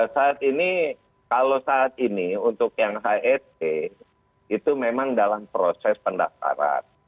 saat ini kalau saat ini untuk yang het itu memang dalam proses pendaftaran